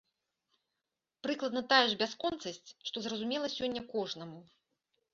Прыкладна тая ж бясконцасць, што зразумела сёння кожнаму.